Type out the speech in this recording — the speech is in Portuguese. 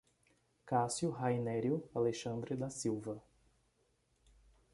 Cacio Rainerio Alexandre da Silva